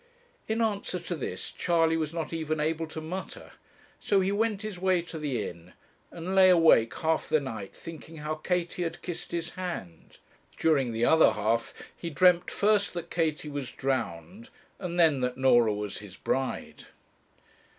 In answer to this, Charley was not even able to mutter; so he went his way to the inn, and lay awake half the night thinking how Katie had kissed his hand: during the other half he dreamt, first that Katie was drowned, and then that Norah was his bride.